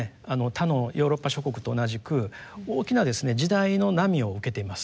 他のヨーロッパ諸国と同じく大きなですね時代の波を受けています。